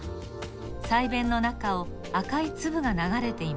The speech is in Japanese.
鰓弁の中を赤いつぶがながれています。